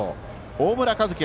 大村和輝